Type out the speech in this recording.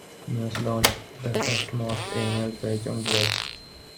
News launched the first "most-emailed" page on the web.